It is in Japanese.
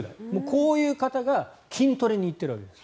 こういう方が筋トレに行っているわけです。